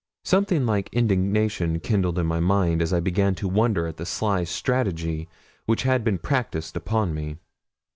Something like indignation kindled in my mind as I began to wonder at the sly strategy which had been practised upon me.